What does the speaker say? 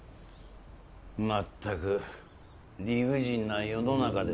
まったく理不尽な世の中ですよね。